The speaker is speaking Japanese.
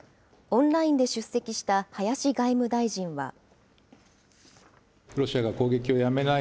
オンラインで出席した林外務大臣は。